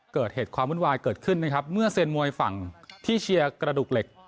เกิดเหตุความวุ่นวายเกิดขึ้นนะครับเมื่อเซียนมวยฝั่งที่เชียร์กระดูกเหล็ก